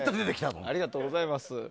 ありがとうございます。